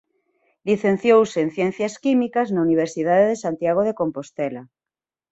Licenciouse en Ciencias Químicas na Universidade de Santiago de Compostela.